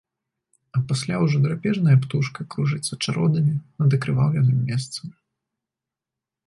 А пасля ўжо драпежная птушка кружыцца чародамі над акрываўленым месцам.